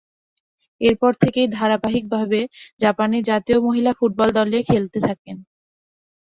এরপর থেকেই ধারাবাহিকভাবে জাপানের জাতীয় মহিলা ফুটবল দলে খেলতে থাকেন।